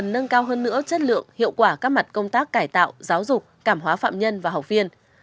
nâng cao hơn nữa chất lượng hiệu quả các mặt công tác cải tạo giáo dục cảm hóa phạm nhân và học viên